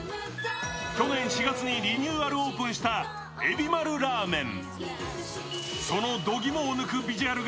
去年４月にリニューアルオープンした海老丸らーめん。